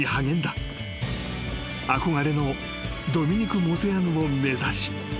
［憧れのドミニク・モセアヌを目指し］